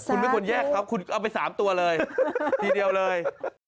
คุณไม่ควรแยกเขาคุณเอาไป๓ตัวเลยทีเดียวเลย